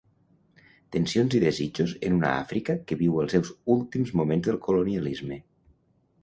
Tensions i desitjos en una Àfrica que viu els seus últims moments del colonialisme.